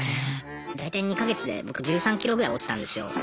大体２か月で僕１３ｋｇぐらい落ちたんですよ。